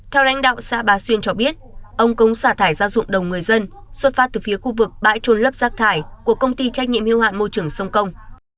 theo lãnh đạo xã bà xuyên cho biết ông cống xả thải ra ruộng đồng người dân xuất phát từ phía khu vực bãi trôn lấp rác thải của công ty trách nhiệm hưu hạn môi trường sông công